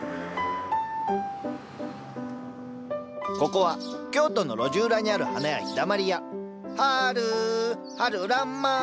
ここは京都の路地裏にある花屋「陽だまり屋」「春春らんまん」